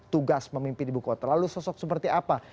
tugas memimpin ibu kota lalu sosok seperti apa